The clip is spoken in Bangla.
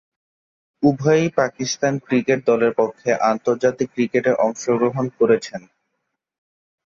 উভয়েই পাকিস্তান ক্রিকেট দলের পক্ষে আন্তর্জাতিক ক্রিকেটে অংশগ্রহণ করেছেন।